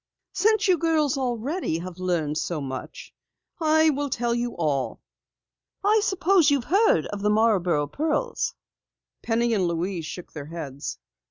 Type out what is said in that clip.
Since you girls already have learned so much I will tell you all. Perhaps you have heard of the Marborough pearls?" Penny and Louise shook their heads.